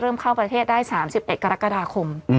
เข้าประเทศได้๓๑กรกฎาคม